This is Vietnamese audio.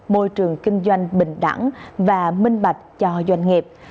môi trường kinh doanh bình đẳng và minh bạch cho doanh nghiệp